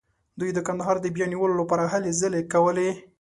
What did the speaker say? دوی د کندهار د بیا نیولو لپاره هلې ځلې کولې.